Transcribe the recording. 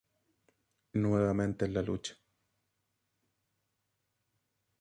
Nuevamente en la lucha.